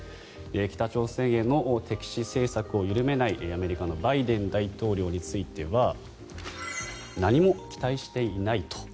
北朝鮮への敵視政策を緩めないアメリカのバイデン大統領については何も期待していないと。